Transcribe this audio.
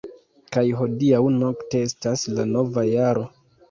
- Kaj hodiaŭ-nokte estas la nova jaro!